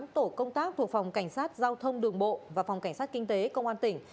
tám tổ công tác thuộc phòng cảnh sát giao thông đường bộ và phòng cảnh sát kinh tế công an tỉnh